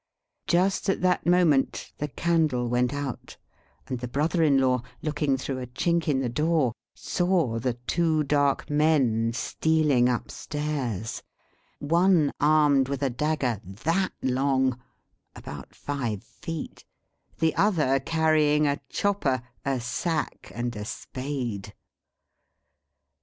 Just at that moment the candle went out, and the brother in law, looking through a chink in the door, saw the two dark men stealing up stairs; one armed with a dagger that long (about five feet); the other carrying a chopper, a sack, and a spade.